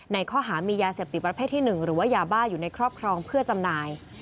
ในข้อหามียาเสพติดประเภทที่๑หรือว่ายาบ้าอยู่ในครอบครองเพื่อจำหน่าย